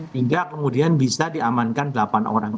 hingga kemudian bisa diamankan delapan orang